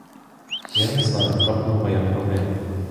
Я не знав, яка була моя провина.